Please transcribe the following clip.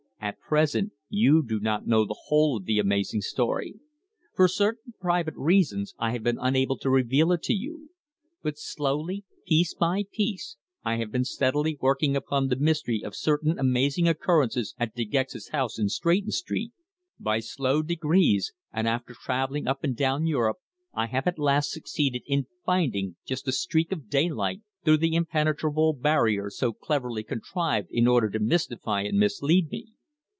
"At present you do not know the whole of the amazing story. For certain private reasons I have been unable to reveal it to you. But slowly, piece by piece, I have been steadily working upon the mystery of certain amazing occurrences at De Gex's house in Stretton Street. By slow degrees, and after travelling up and down Europe, I have at last succeeded in finding just a streak of daylight through the impenetrable barrier so cleverly contrived in order to mystify and mislead me.